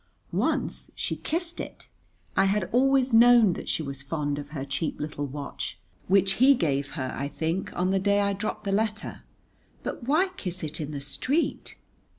Once she kissed it. I had always known that she was fond of her cheap little watch, which he gave her, I think, on the day I dropped the letter, but why kiss it in the street?